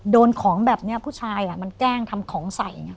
โดนของแบบนี้ผู้ชายมันแกล้งทำของใส่อย่างนี้